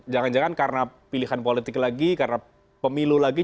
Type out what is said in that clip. jangan jangan karena pilihan politik lagi karena pemilu lagi